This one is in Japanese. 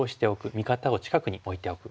味方を近くに置いておく。